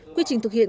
quy trình thực hiện